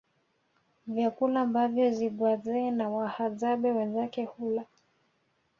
Vyakula ambavyo Zigwadzee na Wahadzabe wenzake hula